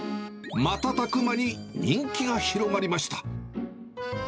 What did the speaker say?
瞬く間に人気が広まりました。